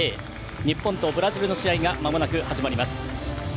日本とブラジルの試合がまもなく始まります。